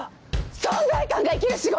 存在感が生きる仕事！